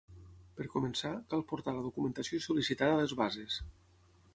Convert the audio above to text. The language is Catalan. Per començar, cal portar la documentació sol·licitada a les bases